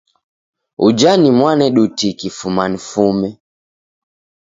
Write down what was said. Uja ni mwanedu tiki fuma nifume.